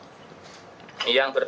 dan di jalan imam bonjol